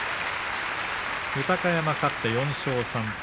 豊山が勝って４勝３敗。